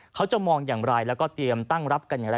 เขาจะมองอย่างไรแล้วก็เตรียมตั้งรับกันอย่างไร